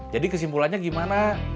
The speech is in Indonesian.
jadi kesimpulannya gimana